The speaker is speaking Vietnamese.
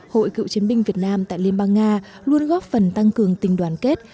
hội cựu chiến binh việt nam tại liên bang nga luôn góp phần tăng cường tình đoàn kết